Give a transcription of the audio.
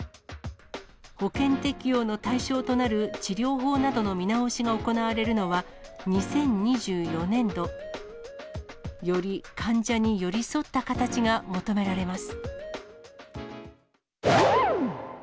保険適用の対象となる治療法などの見直しが行われるのは、２０２４年度。より患者に寄り添った形が求められます。